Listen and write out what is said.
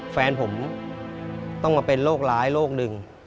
แฟนผมต้องมาเป็นโรคร้ายโรคหนึ่ง